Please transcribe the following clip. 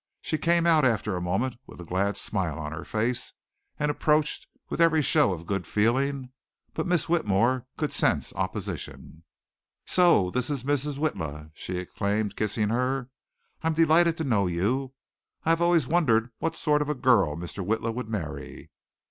She came out after a moment with a glad smile on her face and approached with every show of good feeling, but Miss Whitmore could sense opposition. "So this is Mrs. Witla," she exclaimed, kissing her. "I'm delighted to know you. I have always wondered what sort of a girl Mr. Witla would marry.